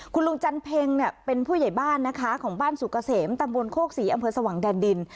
คุณลุงจันเพ็งเนี่ยเป็นผู้ใหญ่บ้านนะคะของบ้านสุกเกษมตำบลโคกศรีอำเภอสว่างแดนดิน